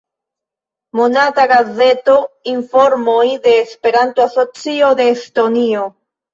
Monata gazeto: "Informoj de Esperanto-Asocio de Estonio".